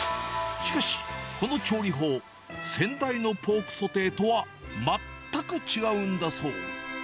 しかし、この調理法、先代のポークソテーとは、全く違うんだそう。